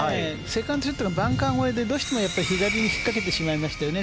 セカンドショットがバンカー越えでどうしても左に引っ掛けてしまいましたよね